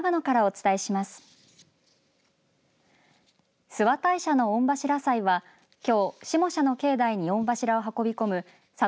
諏訪大社の御柱祭はきょう下社の境内に御柱を運び込む里